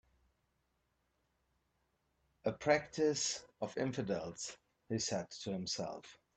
"A practice of infidels," he said to himself.